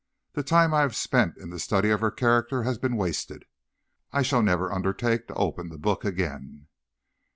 'The time I have spent in the study of her character has been wasted. I shall never undertake to open the book again.'